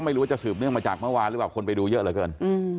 ไม่รู้ว่าจะสืบเนื่องมาจากเมื่อวานหรือเปล่าคนไปดูเยอะเหลือเกิน